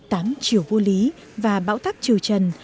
tám triều vô lý và bão tác triều trần